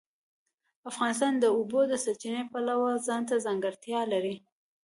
افغانستان د د اوبو سرچینې د پلوه ځانته ځانګړتیا لري.